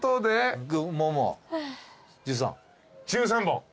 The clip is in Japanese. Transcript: １３本。